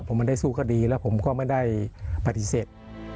ผมไม่ได้สู้คดีแล้วผมก็ไม่ได้ปฏิเสธ